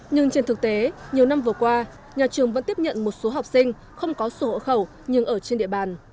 nhưng trên thực tế nhiều năm vừa qua nhà trường vẫn tiếp nhận một số học sinh không có số hộ khẩu nhưng ở trên địa bàn